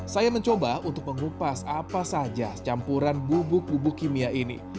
saya mencoba untuk mengupas apa saja campuran bubuk bubuk kimia ini